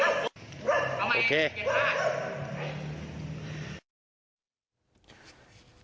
เอามาให้คริสเก็ตภาพ